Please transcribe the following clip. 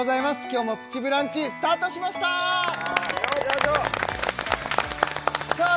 今日も「プチブランチ」スタートしましたさあ